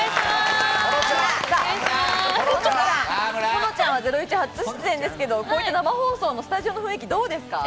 保乃ちゃんは『ゼロイチ』初出演ですけど、こうした生放送のスタジオの雰囲気どうですか？